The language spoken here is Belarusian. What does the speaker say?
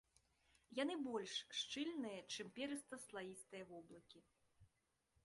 Яны больш шчыльныя, чым перыста-слаістыя воблакі.